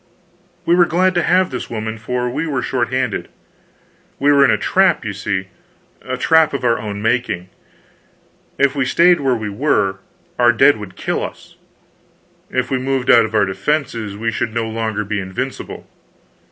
We were glad to have this woman, for we were short handed. We were in a trap, you see a trap of our own making. If we stayed where we were, our dead would kill us; if we moved out of our defenses, we should no longer be invincible.